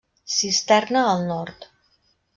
Cisterna al nord.